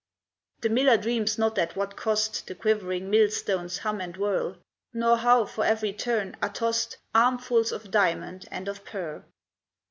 The miller dreams not at what cost The quivering mill stones hum and whirl, Nor how for every turn, are tost Armfuls of diamond and of pearl.